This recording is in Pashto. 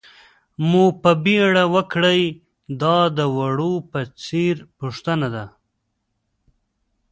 مو په بېړه وکړئ، دا د وړو په څېر پوښتنه.